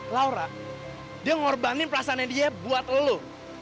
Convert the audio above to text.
laura dia ngorbanin perasaannya dia buat lo